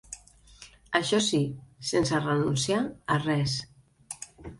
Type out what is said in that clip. Això sí, sense renunciar a res.